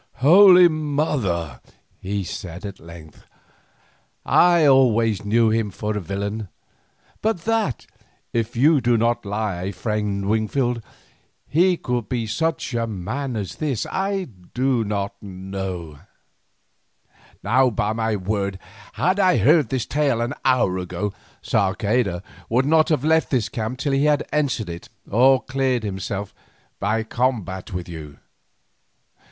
"Holy Mother!" he said at length, "I always knew him for a villain, but that, if you do not lie, friend Wingfield, he could be such a man as this, I did not know. Now by my word, had I heard this tale an hour ago, Sarceda should not have left this camp till he had answered it or cleared himself by combat with you.